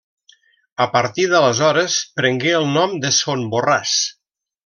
A partir d'aleshores prengué el nom de Son Borràs.